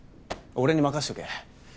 俺に任せとけ！